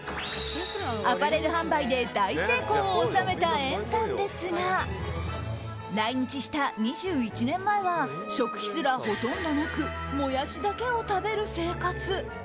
アパレル販売で大成功を収めたエンさんですが来日した２１年前は食費すらほとんどなくモヤシだけを食べる生活。